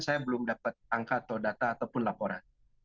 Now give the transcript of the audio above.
saya belum dapat angka atau data ataupun laporan